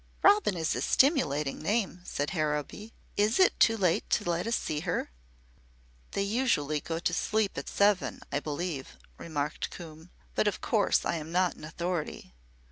"Robin is a stimulating name," said Harrowby. "Is it too late to let us see her?" "They usually go to sleep at seven, I believe," remarked Coombe, "but of course I am not an authority."